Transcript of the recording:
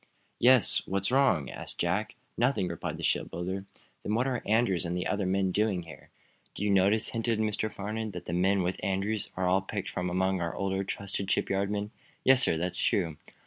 "Yes; what's wrong?" asked Jack. "Nothing," replied the shipbuilder. "Then what are Andrews and the other men doing here?" "Do you notice," hinted Mr. Farnum, "that the men with Andrews are all picked from among our older, trusted shipyard men." "Yes, sir. That's true."